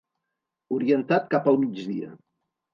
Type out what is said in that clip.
Orientat cap al migdia.